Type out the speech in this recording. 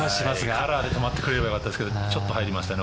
カラーで、止まってくれればよかったですけどちょっと入りましたね